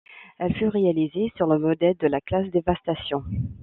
Elle fut réalisée sur le modèle de la classe Devastation.